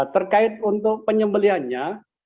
terkait untuk penyembeliannya